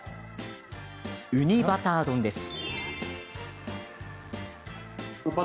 ウニバター丼です。